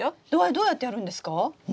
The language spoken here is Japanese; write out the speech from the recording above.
どうやってやるんですか？